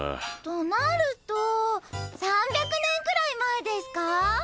となると３００年くらい前ですか？